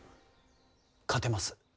勝てます